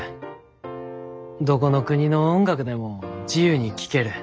どこの国の音楽でも自由に聴ける。